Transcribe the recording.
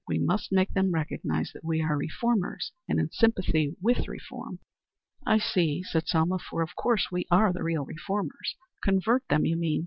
We must make them recognize that we are reformers and in sympathy with reform." "I see," said Selma. "For, of course, we are the real reformers. Convert them you mean?